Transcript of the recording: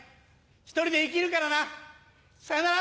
一人で生きるからなさよなら！